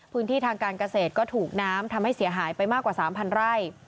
พื้นที่ทางการเกษตรก็ถูกน้ำทำให้เสียหายไปมากกว่า๓๐๐ไร่